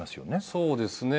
そうですね。